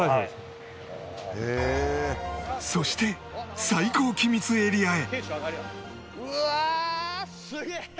そして最高機密エリアへ